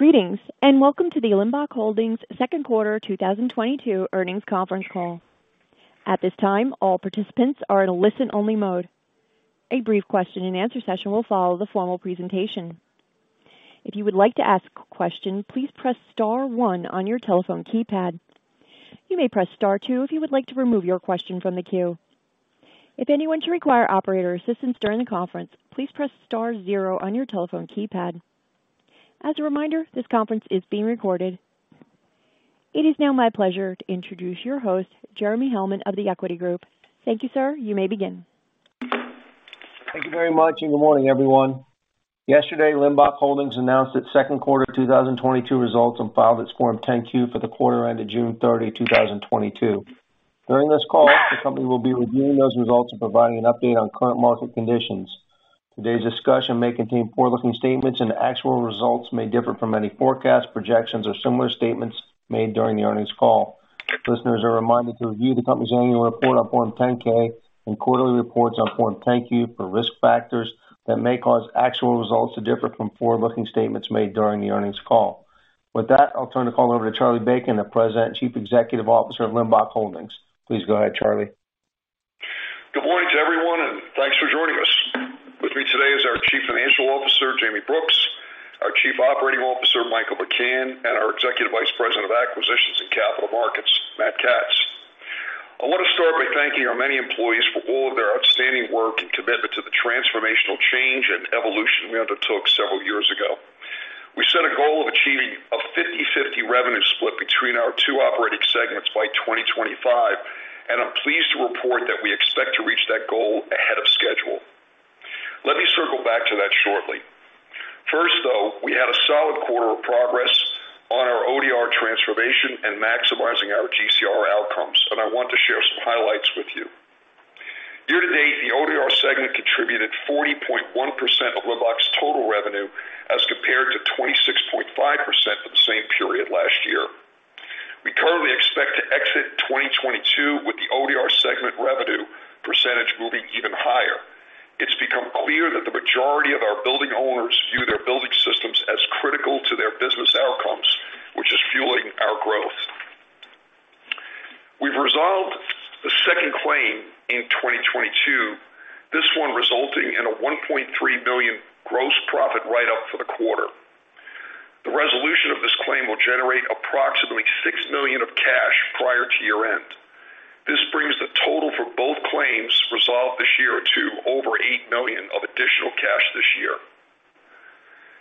Greetings, and welcome to the Limbach Holdings second quarter 2022 earnings conference call. At this time, all participants are in a listen-only mode. A brief question-and-answer session will follow the formal presentation. If you would like to ask a question, please press star one on your telephone keypad. You may press star two if you would like to remove your question from the queue. If anyone should require operator assistance during the conference, please press star zero on your telephone keypad. As a reminder, this conference is being recorded. It is now my pleasure to introduce your host, Jeremy Hellman of The Equity Group. Thank you, sir. You may begin. Thank you very much, and good morning, everyone. Yesterday, Limbach Holdings announced its second quarter 2022 results and filed its Form 10-Q for the quarter ended June 30, 2022. During this call, the company will be reviewing those results and providing an update on current market conditions. Today's discussion may contain forward-looking statements, and actual results may differ from any forecast, projections, or similar statements made during the earnings call. Listeners are reminded to review the company's annual report on Form 10-K and quarterly reports on Form 10-Q for risk factors that may cause actual results to differ from forward-looking statements made during the earnings call. With that, I'll turn the call over to Charlie Bacon, the President and Chief Executive Officer of Limbach Holdings. Please go ahead, Charlie. Good morning to everyone, and thanks for joining us. With me today is our Chief Financial Officer, Jayme Brooks, our Chief Operating Officer, Michael McCann, and our Executive Vice President of Acquisitions and Capital Markets, Matt Katz. I want to start by thanking our many employees for all of their outstanding work and commitment to the transformational change and evolution we undertook several years ago. We set a goal of achieving a 50/50 revenue split between our two operating segments by 2025, and I'm pleased to report that we expect to reach that goal ahead of schedule. Let me circle back to that shortly. First, though, we had a solid quarter of progress on our ODR transformation and maximizing our GCR outcomes, and I want to share some highlights with you. Year-to-date, the ODR segment contributed 40.1% of Limbach's total revenue as compared to 26.5% for the same period last year. We currently expect to exit 2022 with the ODR segment revenue percentage moving even higher. It's become clear that the majority of our building owners view their building systems as critical to their business outcomes, which is fueling our growth. We've resolved the second claim in 2022, this one resulting in a $1.3 billion gross profit write-up for the quarter. The resolution of this claim will generate approximately $6 million of cash prior to year-end. This brings the total for both claims resolved this year to over $8 million of additional cash this year.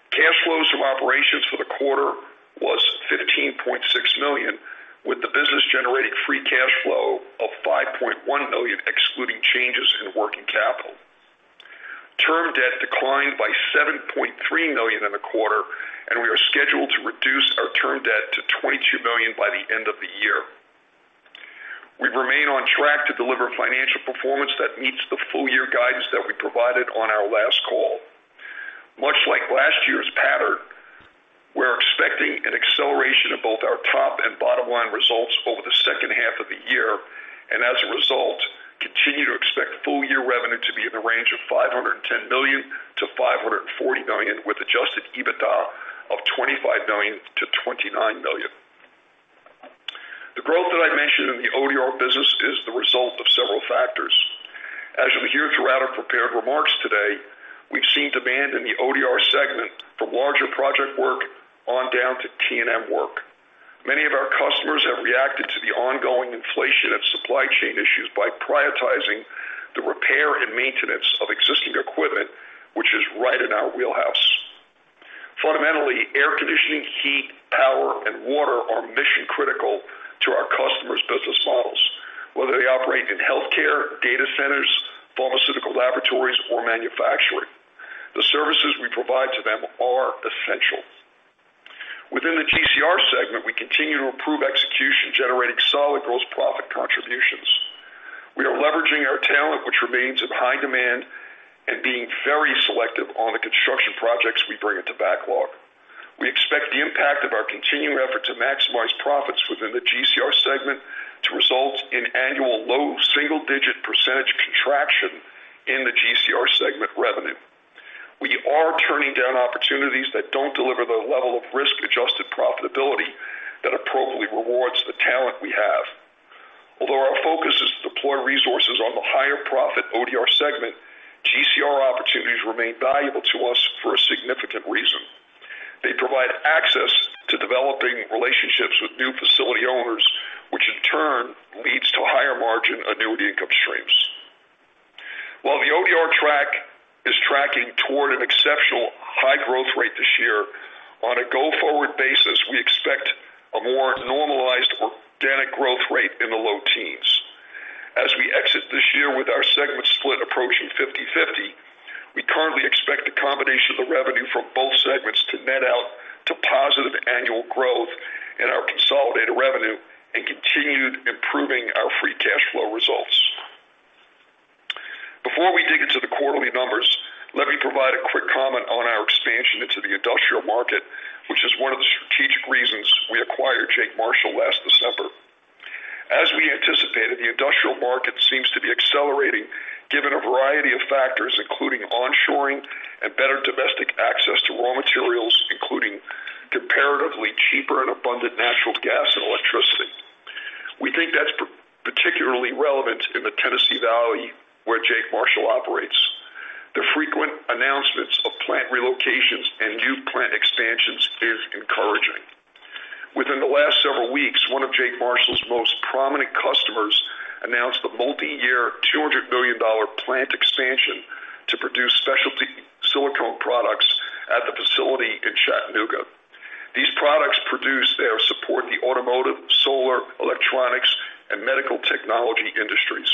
Cash flows from operations for the quarter was $15.6 million, with the business generating free cash flow of $5.1 million, excluding changes in working capital. Term debt declined by $7.3 million in the quarter, and we are scheduled to reduce our term debt to $22 million by the end of the year. We remain on track to deliver financial performance that meets the full-year guidance that we provided on our last call. Much like last year's pattern, we're expecting an acceleration of both our top and bottom-line results over the second half of the year, and as a result, continue to expect full-year revenue to be in the range of $510 million-$540 million, with Adjusted EBITDA of $25 million-$29 million. The growth that I mentioned in the ODR business is the result of several factors. As you'll hear throughout our prepared remarks today, we've seen demand in the ODR segment for larger project work on down to T&M work. Many of our customers have reacted to the ongoing inflation and supply chain issues by prioritizing the repair and maintenance of existing equipment, which is right in our wheelhouse. Fundamentally, air conditioning, heat, power, and water are mission critical to our customers' business models. Whether they operate in healthcare, data centers, pharmaceutical laboratories, or manufacturing, the services we provide to them are essential. Within the GCR segment, we continue to improve execution, generating solid gross profit contributions. We are leveraging our talent, which remains in high demand, and being very selective on the construction projects we bring into backlog. We expect the impact of our continuing effort to maximize profits within the GCR segment to result in annual low single-digit % contraction in the GCR segment revenue. We are turning down opportunities that don't deliver the level of risk-adjusted profitability that appropriately rewards the talent we have. Although our focus is to deploy resources on the higher profit ODR segment, GCR opportunities remain valuable to us for a significant reason. They provide access to developing relationships with new facility owners, which in turn leads to higher margin annuity income streams. While the ODR track is tracking toward an exceptional high growth rate this year, on a go-forward basis, we expect a more normalized organic growth rate in the low teens%. As we exit this year with our segment split approaching 50/50, we currently expect the combination of the revenue from both segments to net out to positive annual growth in our consolidated revenue and continued improving our free cash flow results. Before we dig into the quarterly numbers, let me provide a quick comment on our expansion into the industrial market, which is one of the strategic reasons we acquired Jake Marshall last December. As we anticipated, the industrial market seems to be accelerating given a variety of factors, including onshoring and better domestic access to raw materials, including comparatively cheaper and abundant natural gas and electricity. We think that's particularly relevant in the Tennessee Valley, where Jake Marshall operates. The frequent announcements of plant relocations and new plant expansions is encouraging. Within the last several weeks, one of Jake Marshall's most prominent customers announced a multi-year $200 million plant expansion to produce specialty silicone products at the facility in Chattanooga. These products produced there support the automotive, solar, electronics, and medical technology industries.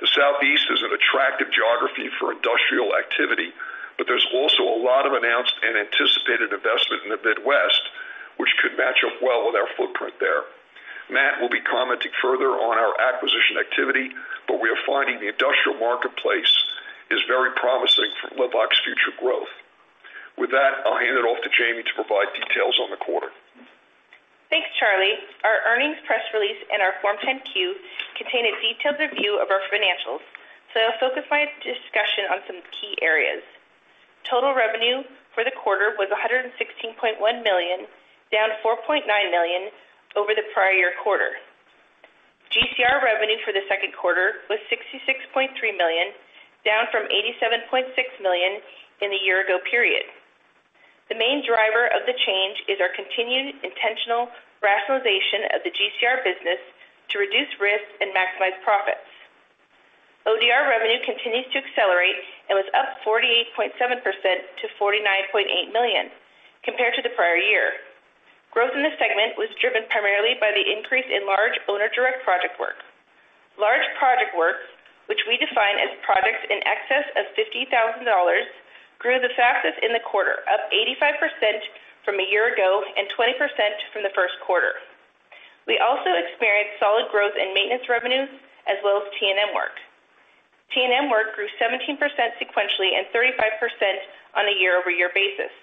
The Southeast is an attractive geography for industrial activity, but there's also a lot of announced and anticipated investment in the Midwest, which could match up well with our footprint there. Matt will be commenting further on our acquisition activity, but we are finding the industrial marketplace is very promising for Limbach's future growth. With that, I'll hand it off to Jayme to provide details on the quarter. Thanks, Charlie. Our earnings press release and our Form 10-Q contain a detailed review of our financials, so I'll focus my discussion on some key areas. Total revenue for the quarter was $116.1 million, down $4.9 million over the prior year quarter. GCR revenue for the second quarter was $66.3 million, down from $87.6 million in the year-ago period. The main driver of the change is our continued intentional rationalization of the GCR business to reduce risks and maximize profits. ODR revenue continues to accelerate and was up 48.7% to $49.8 million compared to the prior year. Growth in this segment was driven primarily by the increase in large owner direct project work. Large project work, which we define as projects in excess of $50,000, grew the fastest in the quarter, up 85% from a year ago and 20% from the first quarter. We also experienced solid growth in maintenance revenue as well as T&M work. T&M work grew 17% sequentially and 35% on a year-over-year basis.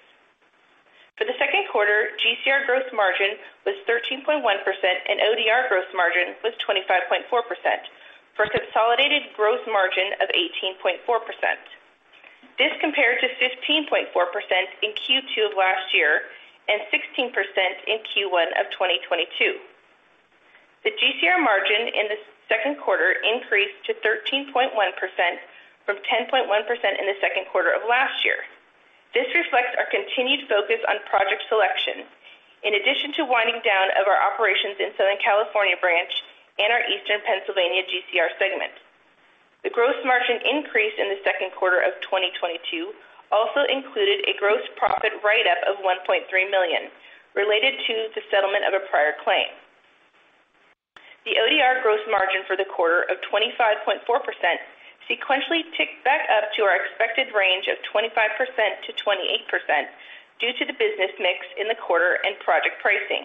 For the second quarter, GCR gross margin was 13.1% and ODR gross margin was 25.4% for a consolidated gross margin of 18.4%. This compared to 15.4% in Q2 of last year and 16% in Q1 of 2022. The GCR margin in the second quarter increased to 13.1% from 10.1% in the second quarter of last year. This reflects our continued focus on project selection. In addition to winding down of our operations in Southern California branch and our Eastern Pennsylvania GCR segment. The gross margin increase in the second quarter of 2022 also included a gross profit write-up of $1.3 million related to the settlement of a prior claim. The ODR gross margin for the quarter of 25.4% sequentially ticked back up to our expected range of 25%-28% due to the business mix in the quarter and project pricing.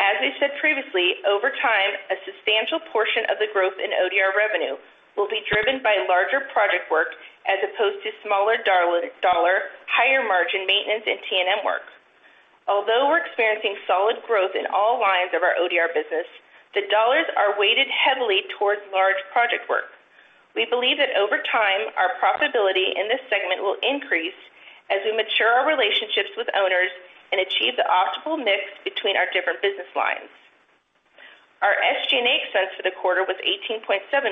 As we said previously, over time, a substantial portion of the growth in ODR revenue will be driven by larger project work as opposed to smaller-dollar, higher-margin maintenance and T&M work. Although we're experiencing solid growth in all lines of our ODR business, the dollars are weighted heavily towards large project work. We believe that over time, our profitability in this segment will increase as we mature our relationships with owners and achieve the optimal mix between our different business lines. Our SG&A expense for the quarter was $18.7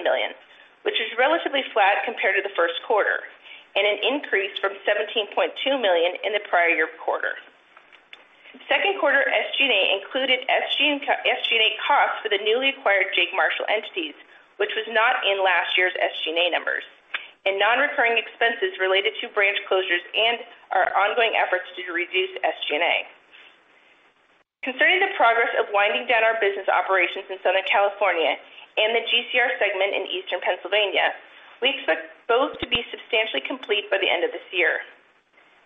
million, which is relatively flat compared to the first quarter, and an increase from $17.2 million in the prior year quarter. Second quarter SG&A included SG&A costs for the newly acquired Jake Marshall entities, which was not in last year's SG&A numbers, and non-recurring expenses related to branch closures and our ongoing efforts to reduce SG&A. Concerning the progress of winding down our business operations in Southern California and the GCR segment in Eastern Pennsylvania, we expect both to be substantially complete by the end of this year.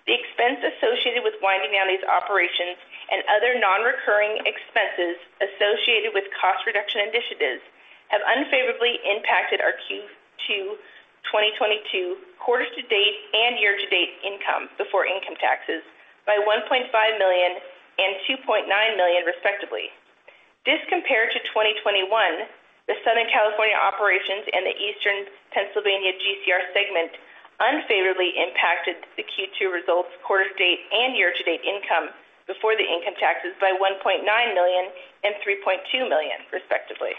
The expense associated with winding down these operations and other non-recurring expenses associated with cost reduction initiatives have unfavorably impacted our Q2 2022 quarter-to-date and year-to-date income before income taxes by $1.5 million and $2.9 million respectively. This, compared to 2021, the Southern California operations and the Eastern Pennsylvania GCR segment unfavorably impacted the Q2 results quarter-to-date and year-to-date income before income taxes by $1.9 million and $3.2 million respectively.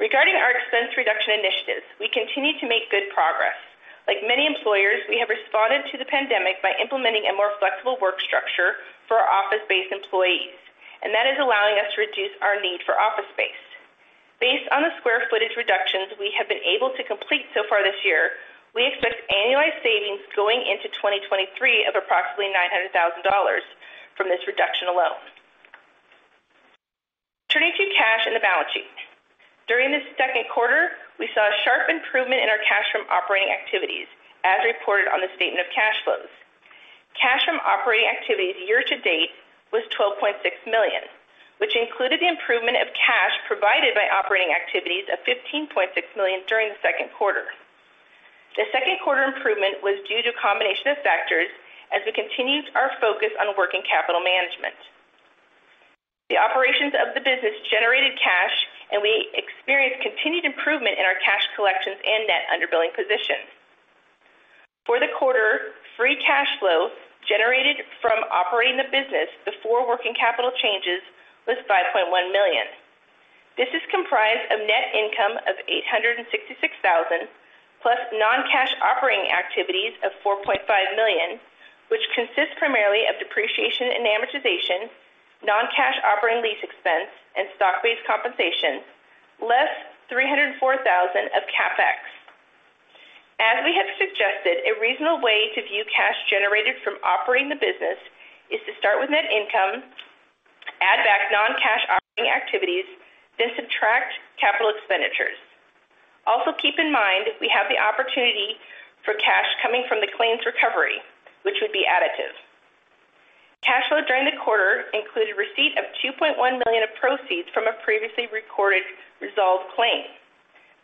Regarding our expense reduction initiatives, we continue to make good progress. Like many employers, we have responded to the pandemic by implementing a more flexible work structure for our office-based employees, and that is allowing us to reduce our need for office space. Based on the square footage reductions we have been able to complete so far this year, we expect annualized savings going into 2023 of approximately $900,000 from this reduction alone. Turning to cash and the balance sheet. During the second quarter, we saw a sharp improvement in our cash from operating activities, as reported on the statement of cash flows. Cash from operating activities year to date was $12.6 million, which included the improvement of cash provided by operating activities of $15.6 million during the second quarter. The second quarter improvement was due to a combination of factors as we continued our focus on working capital management. The operations of the business generated cash, and we experienced continued improvement in our cash collections and net underbilling positions. For the quarter, free cash flow generated from operating the business before working capital changes was $5.1 million. This is comprised of net income of $866,000, plus non-cash operating activities of $4.5 million, which consists primarily of depreciation and amortization, non-cash operating lease expense, and stock-based compensation, less $304,000 of CapEx. As we have suggested, a reasonable way to view cash generated from operating the business is to start with net income, add back non-cash operating activities, then subtract capital expenditures. Also, keep in mind, we have the opportunity for cash coming from the claims recovery, which would be additive. Cash flow during the quarter included receipt of $2.1 million of proceeds from a previously recorded resolved claim.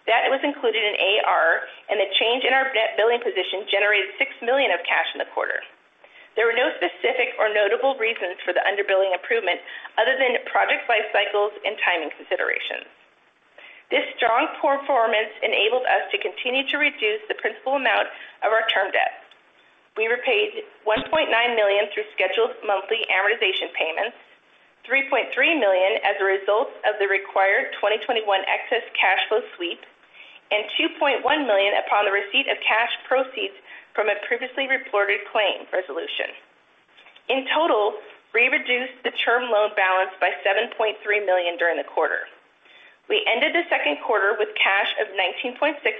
That was included in AR, and the change in our net billing position generated $6 million of cash in the quarter. There were no specific or notable reasons for the underbilling improvement other than project life cycles and timing considerations. This strong performance enabled us to continue to reduce the principal amount of our term debt. We repaid $1.9 million through scheduled monthly amortization payments, $3.3 million as a result of the required 2021 excess cash flow sweep, and $2.1 million upon the receipt of cash proceeds from a previously reported claim resolution. In total, we reduced the term loan balance by $7.3 million during the quarter. We ended the second quarter with cash of $19.6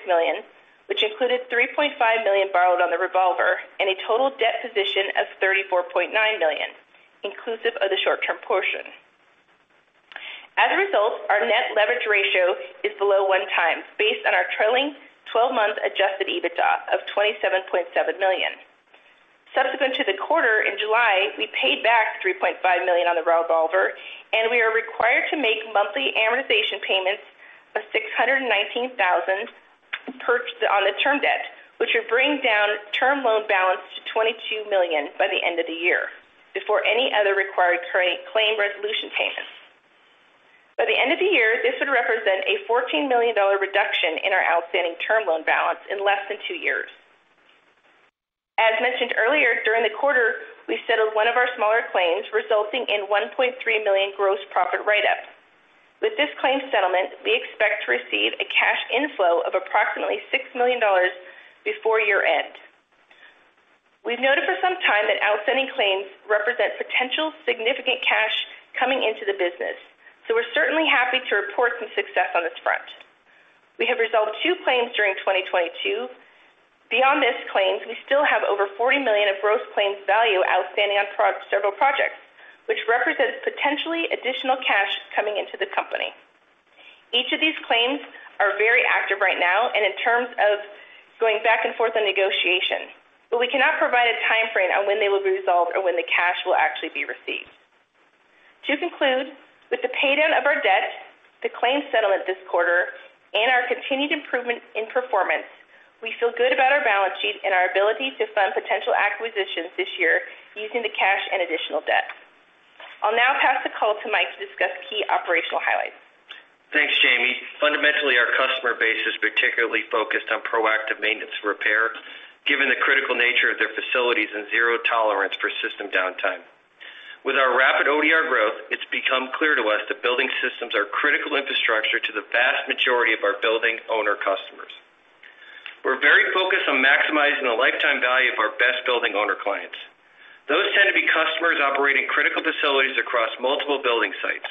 million, which included $3.5 million borrowed on the revolver and a total debt position of $34.9 million, inclusive of the short-term portion. As a result, our net leverage ratio is below 1x based on our trailing 12-month Adjusted EBITDA of $27.7 million. Subsequent to the quarter in July, we paid back $3.5 million on the revolver, and we are required to make monthly amortization payments of $619 thousand on the term debt, which will bring down term loan balance to $22 million by the end of the year before any other required current claim resolution payments. By the end of the year, this would represent a $14 million reduction in our outstanding term loan balance in less than two years. As mentioned earlier, during the quarter, we settled one of our smaller claims, resulting in $1.3 million gross profit write-up. With this claim settlement, we expect to receive a cash inflow of approximately $6 million before year-end. We've noted for some time that outstanding claims represent potential significant cash coming into the business, so we're certainly happy to report some success on this front. We have resolved two claims during 2022. Beyond these claims, we still have over $40 million of gross claims value outstanding on several projects, which represents potentially additional cash coming into the company. Each of these claims are very active right now and in terms of going back and forth on negotiations, but we cannot provide a timeframe on when they will be resolved or when the cash will actually be received. To conclude, with the paydown of our debt, the claim settlement this quarter, and our continued improvement in performance, we feel good about our balance sheet and our ability to fund potential acquisitions this year using the cash and additional debt. I'll now pass the call to Mike to discuss key operational highlights. Thanks, Jayme. Fundamentally, our customer base is particularly focused on proactive maintenance repair, given the critical nature of their facilities and zero tolerance for system downtime. With our rapid ODR growth, it's become clear to us that building systems are critical infrastructure to the vast majority of our building owner customers. We're very focused on maximizing the lifetime value of our best building owner clients. Those tend to be customers operating critical facilities across multiple building sites,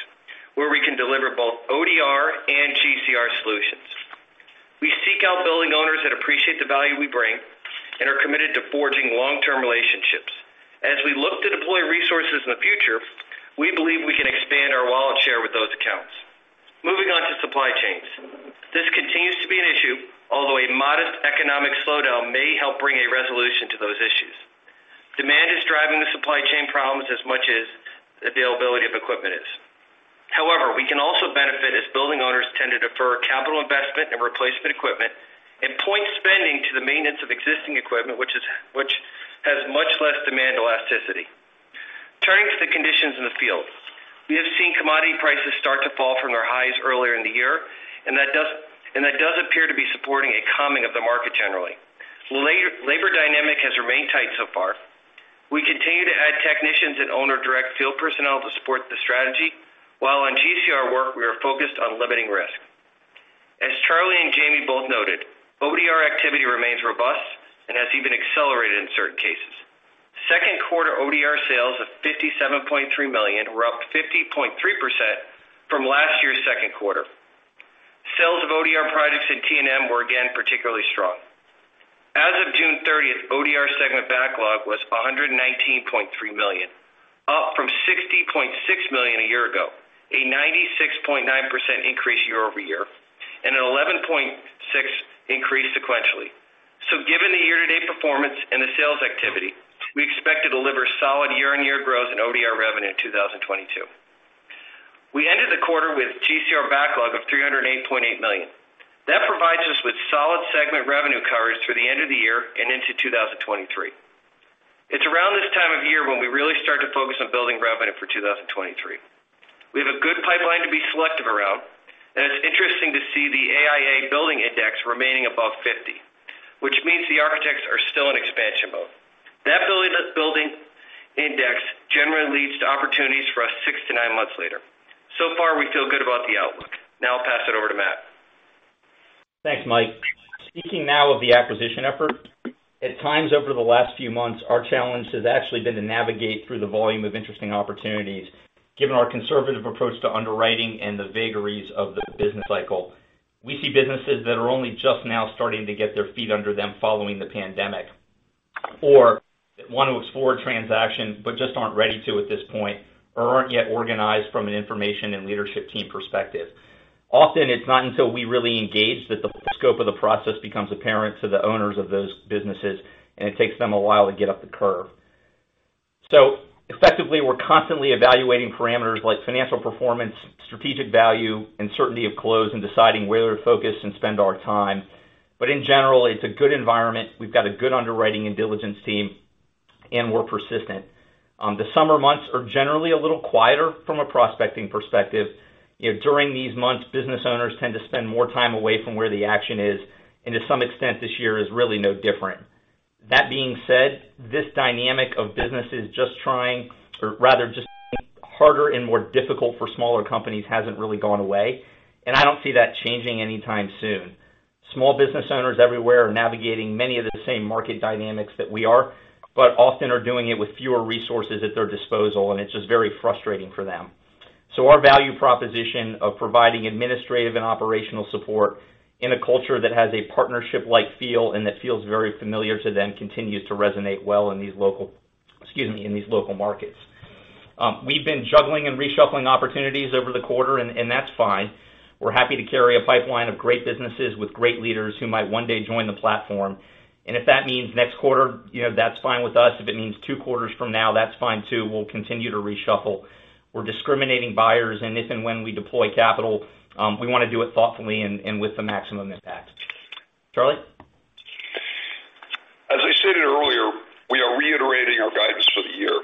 where we can deliver both ODR and GCR solutions. We seek out building owners that appreciate the value we bring and are committed to forging long-term relationships. As we look to deploy resources in the future, we believe we can expand our wallet share with those accounts. Moving on to supply chains. This continues to be an issue, although a modest economic slowdown may help bring a resolution to those issues. Demand is driving the supply chain problems as much as availability of equipment is. However, we can also benefit as building owners tend to defer capital investment and replacement equipment and point spending to the maintenance of existing equipment, which has much less demand elasticity. Turning to the conditions in the field. We have seen commodity prices start to fall from their highs earlier in the year, and that does appear to be supporting a calming of the market generally. Labor dynamic has remained tight so far. We continue to add technicians and owner direct field personnel to support the strategy, while on GCR work, we are focused on limiting risk. As Charlie and Jayme both noted, ODR activity remains robust and has even accelerated in certain cases. Second quarter ODR sales of $57.3 million were up 50.3% from last year's second quarter. Sales of ODR products in T&M were again particularly strong. As of June 30, ODR segment backlog was $119.3 million, up from $60.6 million a year ago, a 96.9% increase year-over-year, and an 11.6% increase sequentially. Given the year-to-date performance and the sales activity, we expect to deliver solid year-on-year growth in ODR revenue in 2022. We ended the quarter with GCR backlog of $308.8 million. That provides us with solid segment revenue coverage through the end of the year and into 2023. It's around this time of year when we really start to focus on building revenue for 2023. We have a good pipeline to be selective around, and it's interesting to see the AIA Billings Index remaining above 50, which means the architects are still in expansion mode. That building index generally leads to opportunities for us six to nine months later. Far, we feel good about the outlook. Now I'll pass it over to Matt. Thanks, Mike. Speaking now of the acquisition effort, at times over the last few months, our challenge has actually been to navigate through the volume of interesting opportunities, given our conservative approach to underwriting and the vagaries of the business cycle. We see businesses that are only just now starting to get their feet under them following the pandemic, or want to explore transactions, but just aren't ready to at this point or aren't yet organized from an information and leadership team perspective. Often it's not until we really engage that the scope of the process becomes apparent to the owners of those businesses, and it takes them a while to get up the curve. Effectively, we're constantly evaluating parameters like financial performance, strategic value, and certainty of close, and deciding where to focus and spend our time. In general, it's a good environment. We've got a good underwriting and diligence team, and we're persistent. The summer months are generally a little quieter from a prospecting perspective. You know, during these months, business owners tend to spend more time away from where the action is, and to some extent this year is really no different. That being said, this dynamic of businesses just trying or rather just harder and more difficult for smaller companies hasn't really gone away, and I don't see that changing anytime soon. Small business owners everywhere are navigating many of the same market dynamics that we are, but often are doing it with fewer resources at their disposal, and it's just very frustrating for them. Our value proposition of providing administrative and operational support in a culture that has a partnership-like feel and that feels very familiar to them continues to resonate well in these local markets. We've been juggling and reshuffling opportunities over the quarter, and that's fine. We're happy to carry a pipeline of great businesses with great leaders who might one day join the platform. If that means next quarter, you know, that's fine with us. If it means two quarters from now, that's fine too. We'll continue to reshuffle. We're discriminating buyers, and if and when we deploy capital, we wanna do it thoughtfully and with the maximum impact. Charlie? As I stated earlier, we are reiterating our guidance for the year.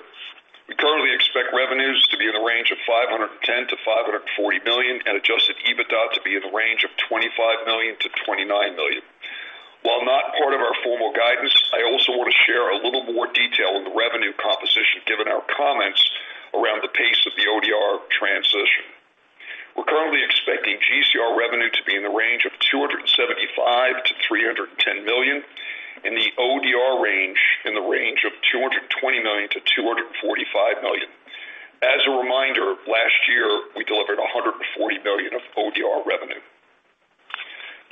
We currently expect revenues to be in the range of $510 million-$540 million and Adjusted EBITDA to be in the range of $25 million-$29 million. While not part of our formal guidance, I also want to share a little more detail on the revenue composition given our comments around the pace of the ODR transition. We're currently expecting GCR revenue to be in the range of $275 million-$310 million and the ODR range, in the range of $220 million-$245 million. As a reminder, last year we delivered $140 million of ODR revenue.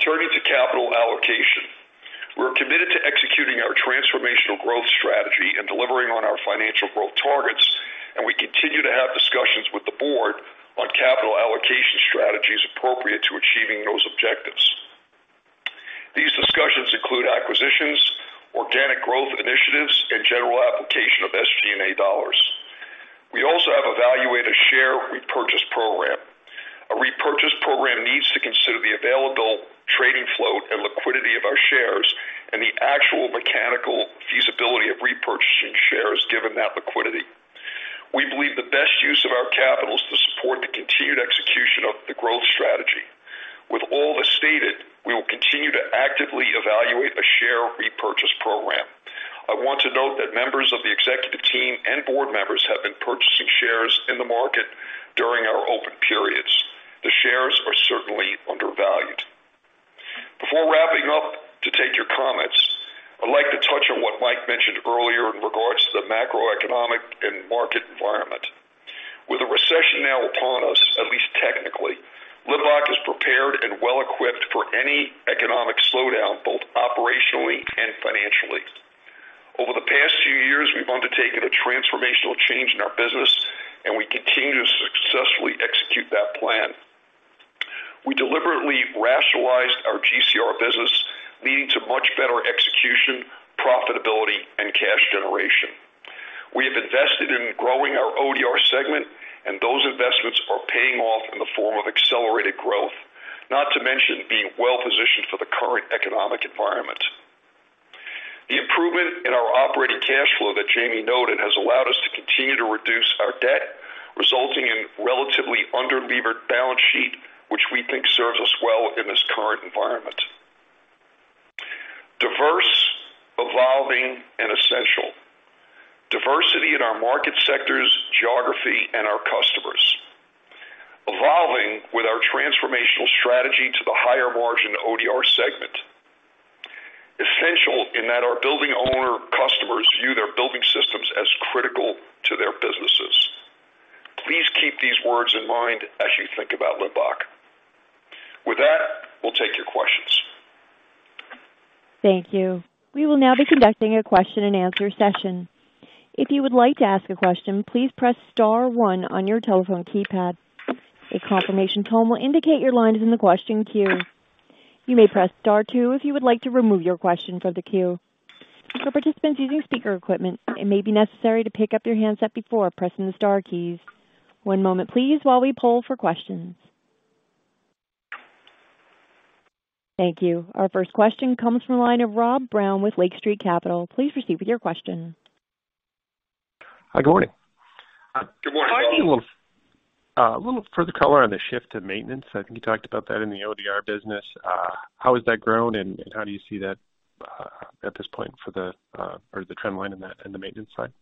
Turning to capital allocation. We're committed to executing our transformational growth strategy and delivering on our financial growth targets, and we continue to have discussions with the board on capital allocation strategies appropriate to achieving those objectives. These discussions include acquisitions, organic growth initiatives, and general application of SG&A dollars. We also have evaluated a share repurchase program. A repurchase program needs to consider the available trading float and liquidity of our shares and the actual mechanical feasibility of repurchasing shares given that liquidity. We believe the best use of our capital is to support the continued execution of the growth strategy. With all this stated, we will continue to actively evaluate a share repurchase program. I want to note that members of the executive team and board members have been purchasing shares in the market during our open periods. The shares are certainly undervalued. Before wrapping up to take your comments, I'd like to touch on what Mike mentioned earlier in regards to the macroeconomic and market environment. With a recession now upon us, at least technically, Limbach is prepared and well equipped for any economic slowdown, both operationally and financially. Over the past few years, we've undertaken a transformational change in our business, and we continue to successfully execute that plan. We deliberately rationalized our GCR business, leading to much better execution, profitability, and cash generation. We have invested in growing our ODR segment, and those investments are paying off in the form of accelerated growth, not to mention being well positioned for the current economic environment. The improvement in our operating cash flow that Jayme noted has allowed us to continue to reduce our debt, resulting in relatively under-levered balance sheet, which we think serves us well in this current environment. Diverse, evolving, and essential. Diversity in our market sectors, geography, and our customers. Evolving with our transformational strategy to the higher margin ODR segment. Essential in that our building owner customers view their building systems as critical to their businesses. Please keep these words in mind as you think about Limbach. With that, we'll take your questions. Thank you. We will now be conducting a question-and-answer session. If you would like to ask a question, please press star one on your telephone keypad. A confirmation tone will indicate your line is in the question queue. You may press star two if you would like to remove your question from the queue. For participants using speaker equipment, it may be necessary to pick up your handset before pressing the star keys. One moment please while we poll for questions. Thank you. Our first question comes from the line of Rob Brown with Lake Street Capital Markets. Please proceed with your question. Hi, Good morning. Good morning, Rob. A little further color on the shift to maintenance. I think you talked about that in the ODR business. How has that grown, and how do you see that at this point for the trend line in that, in the maintenance side?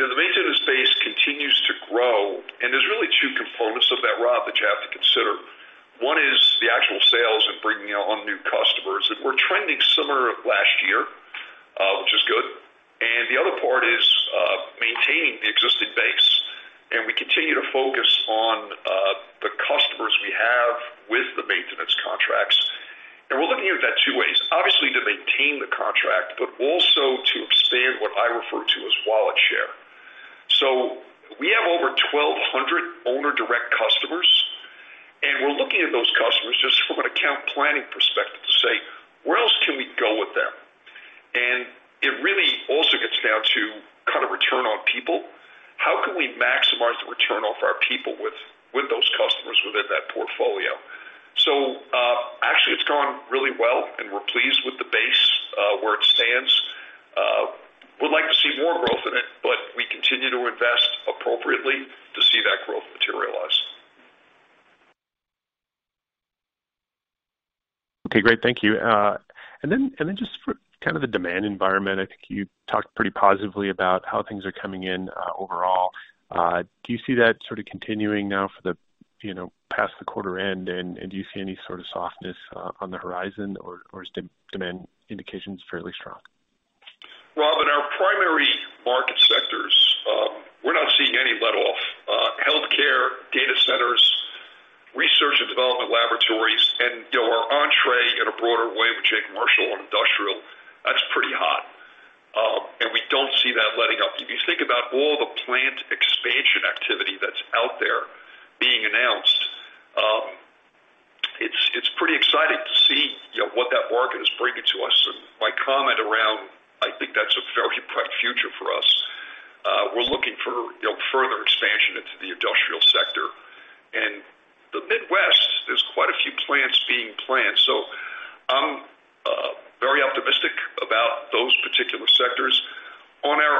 The maintenance base continues to grow, and there's really two components of that, Rob, that you have to consider. One is the actual sales and bringing on new customers. We're trending similar last year, which is good. The other part is maintaining the existing base. We continue to focus on the customers we have with the maintenance contracts. We're looking at that two ways, obviously to maintain the contract, but also to expand what I refer to as wallet share. We have over 1,200 owner direct customers, and we're looking at those customers just from an account planning perspective to say, where else can we go with them? It really also gets down to kind of return on people. How can we maximize the return off our people with those customers within that portfolio? Actually it's gone really well and we're pleased with the base, where it stands. Would like to see more growth in it, but we continue to invest appropriately to see that growth materialize. Okay, great. Thank you. Just for kind of the demand environment, I think you talked pretty positively about how things are coming in overall. Do you see that sort of continuing now for the, you know, past the quarter end? Do you see any sort of softness on the horizon or is demand indications fairly strong? Rob, in our primary market sectors, we're not seeing any letup. Healthcare, data centers, research and development laboratories, and our entry in a broader way with Jake Marshall on industrial, that's pretty hot. We don't see that letting up. If you think about all the plant expansion activity that's out there being announced, it's pretty exciting to see, you know, what that market is bringing to us. My comment around, I think that's a fairly bright future for us. We're looking for, you know, further expansion into the industrial sector. The Midwest, there's quite a few plants being planned. I'm very optimistic about those particular sectors. On our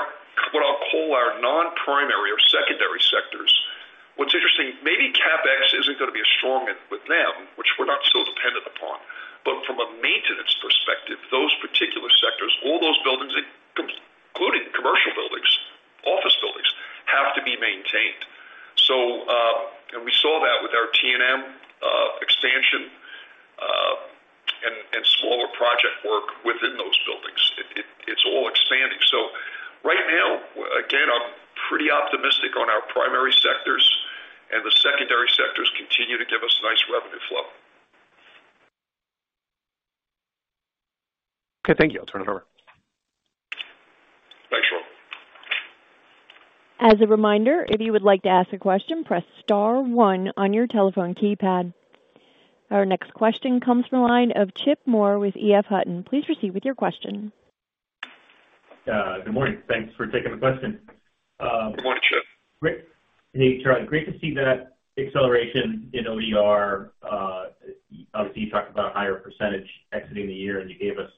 what I'll call our non-primary or secondary sectors, what's interesting, maybe CapEx isn't going to be as strong with them, which we're not so dependent upon. From a maintenance perspective, those particular sectors, all those buildings, including commercial buildings, office buildings, have to be maintained. And we saw that with our T&M expansion and smaller project work within those buildings. It's all expanding. Right now, again, I'm pretty optimistic on our primary sectors and the secondary sectors continue to give us nice revenue flow. Okay, thank you. I'll turn it over. Thanks, Rob. As a reminder, if you would like to ask a question, press star one on your telephone keypad. Our next question comes from the line of Chip Moore with EF Hutton. Please proceed with your question. Good morning. Thanks for taking the question. Good morning, Chip. Hey, Charlie. Great to see that acceleration in ODR. Obviously you talked about a higher percentage exiting the year, and you gave us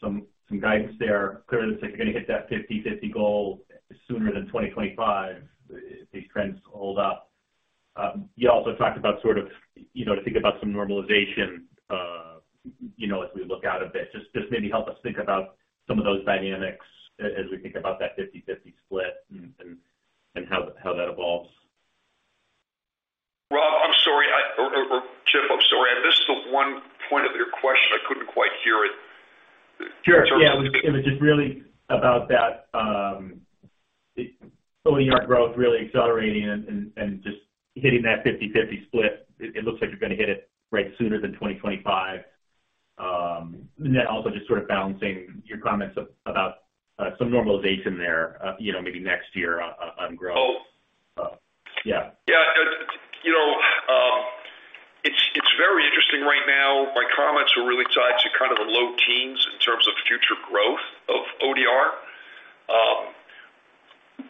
some guidance there. Clearly looks like you're going to hit that 50/50 goal sooner than 2025 if these trends hold up. You also talked about sort of, you know, to think about some normalization, you know, as we look out a bit. Just maybe help us think about some of those dynamics as we think about that 50/50 split and how that evolves. Rob, I'm sorry. Or Chip, I'm sorry. I missed the one point of your question. I couldn't quite hear it. Sure. Yeah, it was just really about that, ODR growth really accelerating and just hitting that 50/50 split. It looks like you're going to hit it right sooner than 2025. Then also just sort of balancing your comments about some normalization there, you know, maybe next year on growth. Oh. Yeah. Yeah. You know, it's very interesting right now. My comments were really tied to kind of the low teens in terms of future growth of ODR.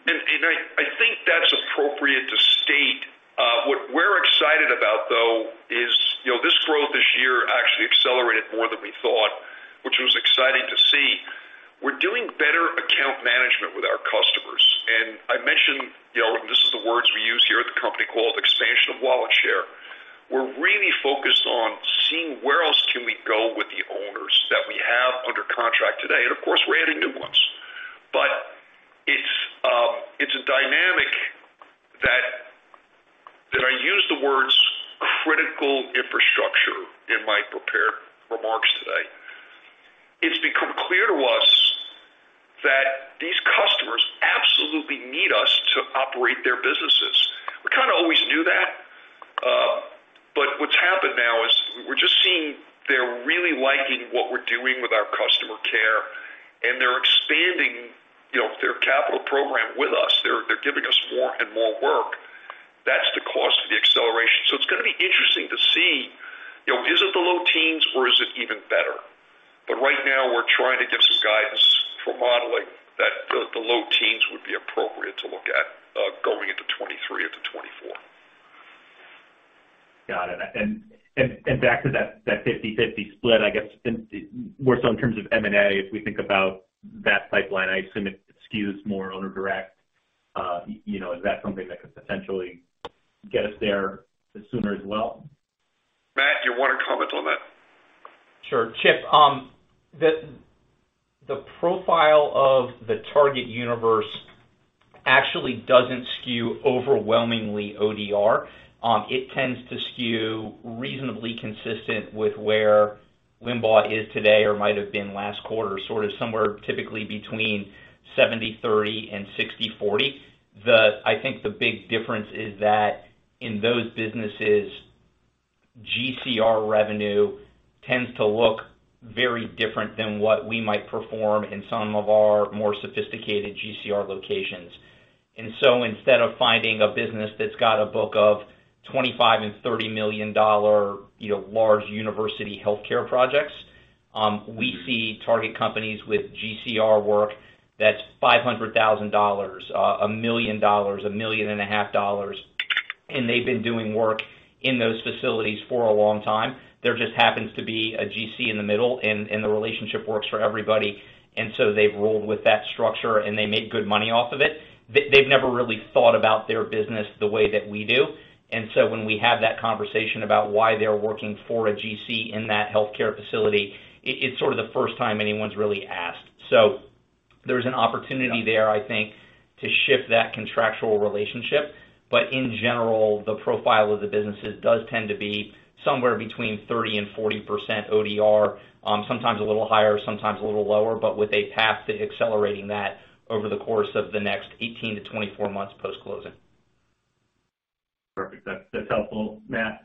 I think that's appropriate to state. What we're excited about, though, is this growth this year actually accelerated more than we thought, which was exciting to see. We're doing better account management with our customers. I mentioned, you know, this is the words we use here at the company called expansion of wallet share. We're really focused on seeing where else can we go with the owners that we have under contract today. Of course, we're adding new ones. It's a dynamic that I use the words critical infrastructure in my prepared remarks today. It's become clear to us that these customers absolutely need us to operate their businesses. We kind of always knew that. What's happened now is we're just seeing they're really liking what we're doing with our customer care, and they're expanding, you know, their capital program with us. They're giving us more and more work. That's the cost of the acceleration. It's gonna be interesting to see, you know, is it the low teens or is it even better? Right now, we're trying to give some guidance for modeling that the low teens would be appropriate to look at, going into 2023 into 2024. Got it. Back to that 50/50 split, I guess, more so in terms of M&A, if we think about that pipeline, I assume it skews more owner direct. You know, is that something that could potentially get us there sooner as well? Matt, do you wanna comment on that? Sure. Chip, the profile of the target universe actually doesn't skew overwhelmingly ODR. It tends to skew reasonably consistent with where Limbach is today or might have been last quarter, sort of somewhere typically between 70/30 and 60/40. I think the big difference is that in those businesses, GCR revenue tends to look very different than what we might perform in some of our more sophisticated GCR locations. Instead of finding a business that's got a book of $25 million and $30 million dollar, you know, large university healthcare projects. Mm-hmm. We see target companies with GC work that's $500,000, $1 million, $1.5 million, and they've been doing work in those facilities for a long time. There just happens to be a GC in the middle, and the relationship works for everybody. They've rolled with that structure, and they made good money off of it. They've never really thought about their business the way that we do. When we have that conversation about why they're working for a GC in that healthcare facility, it's sort of the first time anyone's really asked. There's an opportunity there, I think, to shift that contractual relationship. In general, the profile of the businesses does tend to be somewhere between 30%-40% ODR, sometimes a little higher, sometimes a little lower, but with a path to accelerating that over the course of the next 18-24 months post-closing. Perfect. That's helpful, Matt.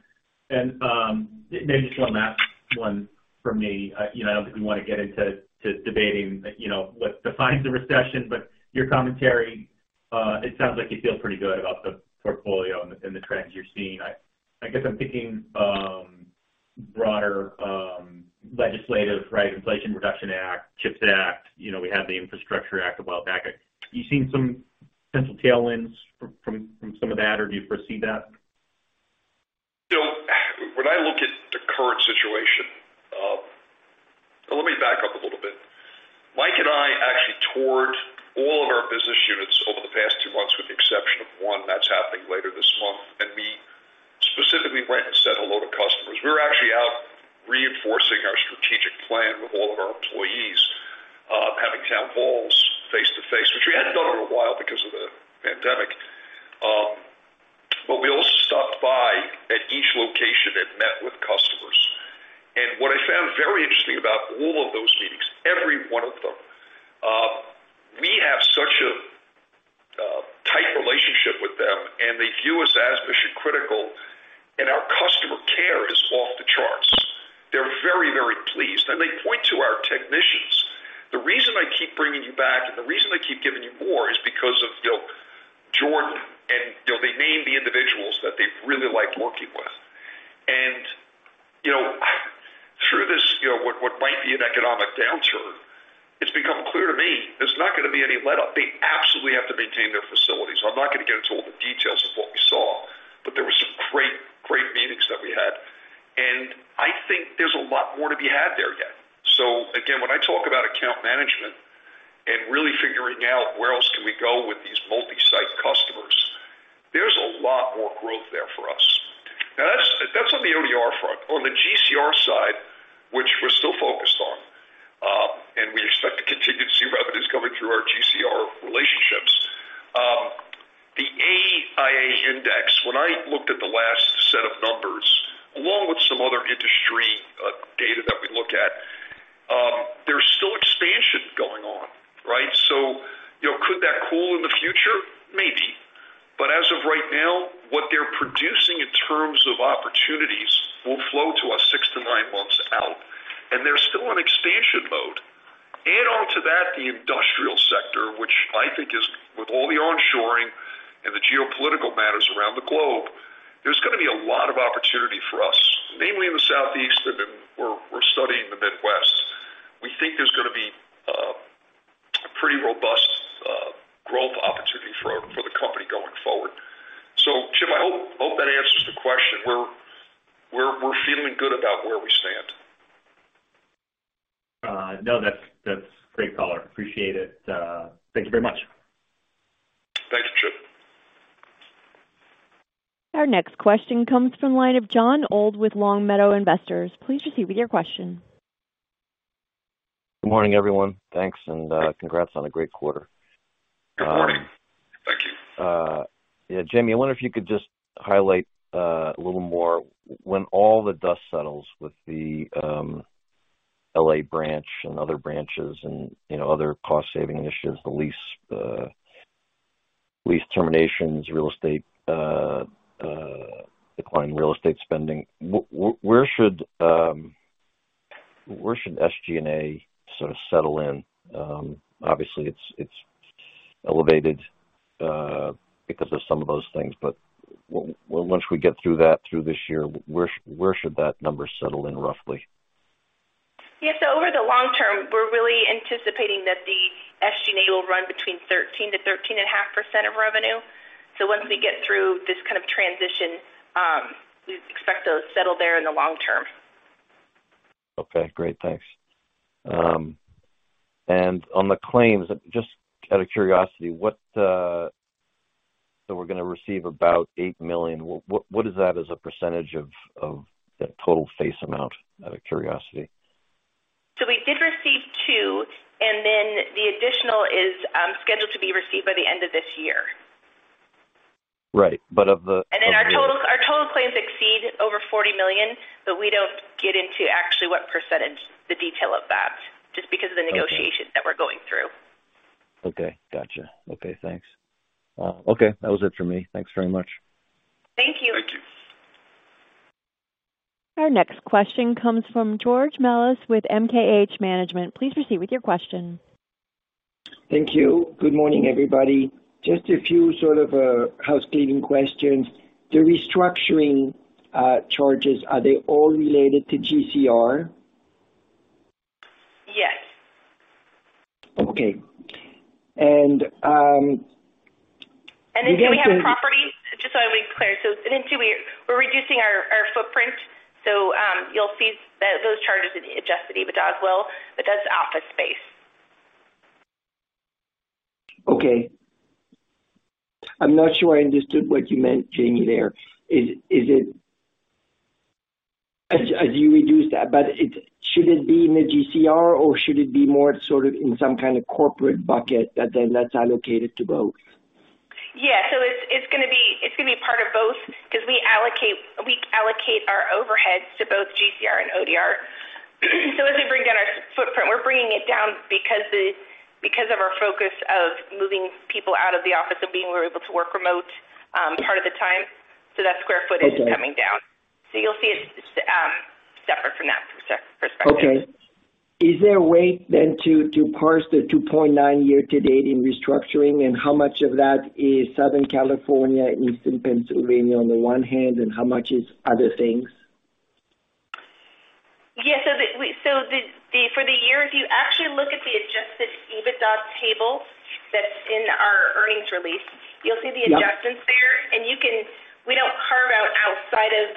Maybe just one last one for me. You know, I don't think we wanna get into debating, you know, what defines a recession, but your commentary, it sounds like you feel pretty good about the portfolio and the trends you're seeing. I guess I'm thinking broader legislative, right, Inflation Reduction Act, CHIPS Act. You know, we had the Infrastructure Act a while back. Are you seeing some potential tailwinds from some of that, or do you foresee that? You know, when I look at the current situation. Let me back up a little bit. Mike and I actually toured all of our business units over the past two months, with the exception of one that's happening later this month. We specifically went and said hello to customers. We were actually out reinforcing our strategic plan with all of our employees, having town halls face to face, which we hadn't done in a while because of the pandemic. We also stopped by at each location and met with customers. What I found very interesting about all of those meetings, every one of them, we have such a tight relationship with them, and they view us as mission critical, and our customer care is off the charts. They're very, very pleased. They point to our technicians. The reason I keep bringing you back and the reason I keep giving you more is because of, you know, Jordan, and, you know, they name the individuals that they really like working with. You know, through this, you know, what might be an economic downturn, it's become clear to me there's not gonna be any letup. They absolutely have to maintain their facilities. I'm not gonna get into all the details of what we saw, but there were some great meetings that we had. I think there's a lot more to be had there yet. Again, when I talk about account management and really figuring out where else can we go with these multi-site customers, there's a lot more growth there for us. Now that's on the ODR front. On the GCR side, which we're still focused on, and we expect to continue to see revenues coming through our GCR relationships. The AIA index, when I looked at the last set of numbers, along with some other industry data that we look at, there's still expansion going on, right? You know, could that cool in the future? Maybe. As of right now, what they're producing in terms of opportunities will flow to us six to nine months out, and they're still in expansion mode. Add on to that the industrial sector, which I think is with all the onshoring and the geopolitical matters around the globe, there's gonna be a lot of opportunity for us, namely in the Southeast and we're studying the Midwest. We think there's gonna be a pretty robust growth opportunity for the company going forward. Chip, I hope that answers the question. We're feeling good about where we stand. No, that's great color. Appreciate it. Thank you very much. Thanks, Chip. Our next question comes from the line of Jon Old with Long Meadow Investors. Please proceed with your question. Good morning, everyone. Thanks, and, congrats on a great quarter. Good morning. Thank you. Jayme, I wonder if you could just highlight a little more when all the dust settles with the LA branch and other branches and other cost-saving initiatives, the lease terminations, real estate decline in real estate spending. Where should SG&A sort of settle in? Obviously, it's elevated because of some of those things, but once we get through that this year, where should that number settle in roughly? Over the long term, we're really anticipating that the SG&A will run between 13%-13.5% of revenue. Once we get through this kind of transition, we expect those settle there in the long term. Okay, great. Thanks. On the claims, just out of curiosity, we're gonna receive about $8 million. What is that as a percentage of the total face amount? Out of curiosity. We did receive two, and then the additional is scheduled to be received by the end of this year. Right. Our total claims exceed over $40 million, but we don't get into actually what percentage the detail of that, just because of the negotiations that we're going through. Okay. Gotcha. Okay, thanks. Okay. That was it for me. Thanks very much. Thank you. Thank you. Our next question comes from George Melas with MKH Management. Please proceed with your question. Thank you. Good morning, everybody. Just a few sort of housekeeping questions. The restructuring charges, are they all related to GCR? Yes. Okay. The other thing. We have property. Just so I make clear, in Q2, we're reducing our footprint, so you'll see those charges in the Adjusted EBITDA as well, but that's office space. Okay. I'm not sure I understood what you meant, Jayme, there. Should it be in the GCR or should it be more sort of in some kind of corporate bucket that then that's allocated to both? Yeah. It's gonna be part of both 'cause we allocate our overheads to both GCR and ODR. As we bring down our footprint, we're bringing it down because of our focus of moving people out of the office and being more able to work remote part of the time. That square footage is coming down. Okay. You'll see it separate from that perspective. Okay. Is there a way then to parse the $2.9 year to date in restructuring and how much of that is Southern California, Eastern Pennsylvania on the one hand, and how much is other things? For the year, if you actually look at the Adjusted EBITDA table that's in our earnings release, you'll see the adjustments there. Yeah. We don't carve out outside of,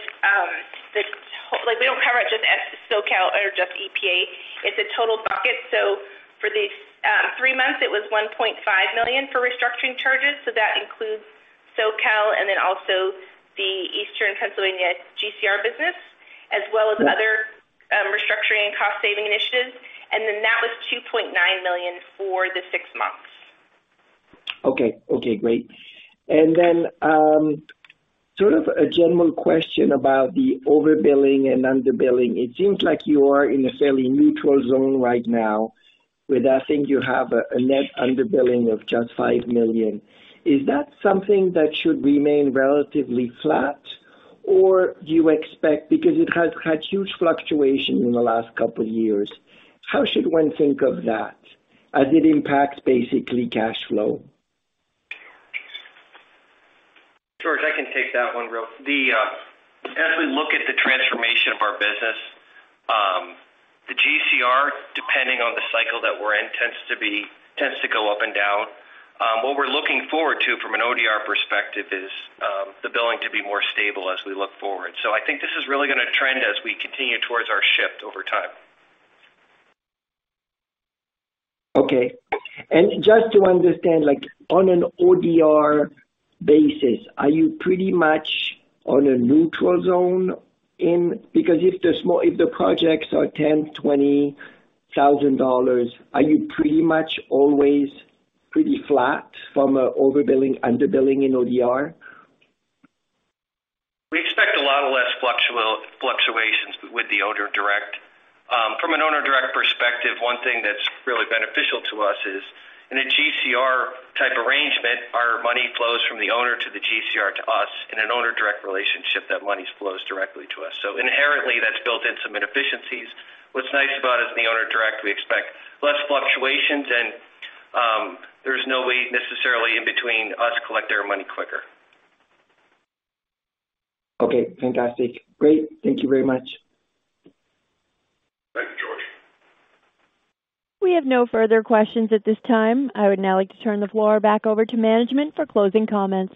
like, we don't carve out just SoCal or just EPA. It's a total bucket. For the three months, it was $1.5 million for restructuring charges. That includes SoCal and then also the Eastern Pennsylvania GCR business, as well as other restructuring and cost saving initiatives. That was $2.9 million for the six months. Okay, great. Then, sort of a general question about the overbilling and underbilling. It seems like you are in a fairly neutral zone right now with I think you have a net underbilling of just $5 million. Is that something that should remain relatively flat, or do you expect? Because it has had huge fluctuation in the last couple years. How should one think of that as it impacts basically cash flow? George, I can take that one. As we look at the transformation of our business, the GCR, depending on the cycle that we're in, tends to go up and down. What we're looking forward to from an ODR perspective is the billing to be more stable as we look forward. I think this is really gonna trend as we continue towards our shift over time. Okay. Just to understand, like on an ODR basis, are you pretty much on a neutral zone in, because if the projects are $10 thousand-$20 thousand, are you pretty much always pretty flat from a overbilling, underbilling in ODR? We expect a lot less fluctuations with the owner-direct. From an owner-direct perspective, one thing that's really beneficial to us is in a GCR type arrangement, our money flows from the owner to the GCR to us. In an owner-direct relationship, that money flows directly to us. Inherently, that's built in some inefficiencies. What's nice about the owner-direct is we expect less fluctuations and there's no one necessarily in between us, we collect their money quicker. Okay, fantastic. Great. Thank you very much. Thank you, George. We have no further questions at this time. I would now like to turn the floor back over to management for closing comments.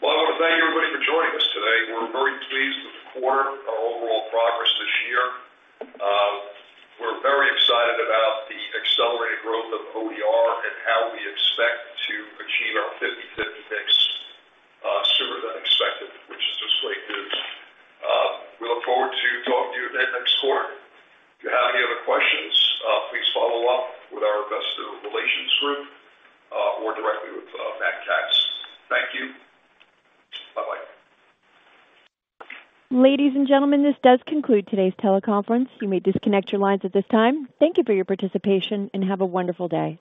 Well, I wanna thank everybody for joining us today. We're very pleased with the quarter, our overall progress this year. We're very excited about the accelerated growth of ODR and how we expect to achieve our 50/50 mix, sooner than expected, which is just great news. We look forward to talking to you then next quarter. If you have any other questions, please follow up with our investor relations group, or directly with Matt Katz. Thank you. Bye-bye. Ladies and gentlemen, this does conclude today's teleconference. You may disconnect your lines at this time. Thank you for your participation, and have a wonderful day.